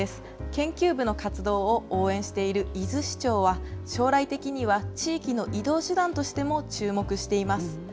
研究部の活動を応援している伊豆市長は、将来的には地域の移動手段としても注目しています。